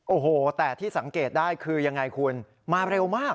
โอ้โหแต่ที่สังเกตได้คือยังไงคุณมาเร็วมาก